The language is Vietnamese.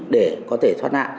để có thể thoát nạn